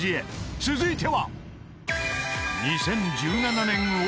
［続いては］